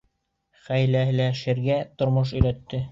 Хәйләләшергә тормош өйрәтте.